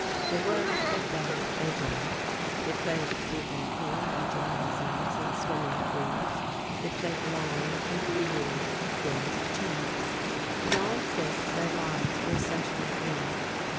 They worked, they fed, they drank, they played exuberantly in their gymnasiums and swimming pools, they played long and eagerly at games of chance. Beyond this their lives were essentially blank.